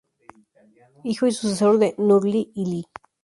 Hijo y sucesor de Nur-ili.